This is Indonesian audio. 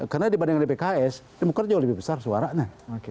karena dibandingkan dengan pks demokrat jauh lebih besar suaranya